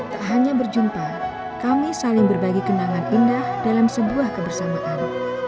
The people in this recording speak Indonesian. tak hanya berjumpa kami saling berbagi kenangan indah dalam sebuah kebersamaan